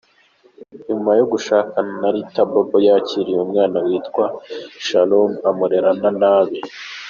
Nyuma yo gushakana na Ritha, Bob yakiriye umwana witwa Sharon amurerana n’abe.